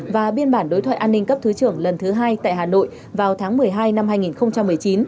và biên bản đối thoại an ninh cấp thứ trưởng lần thứ hai tại hà nội vào tháng một mươi hai năm hai nghìn một mươi chín